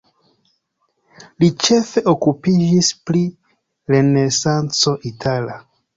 Li ĉefe okupiĝis pri renesanco itala.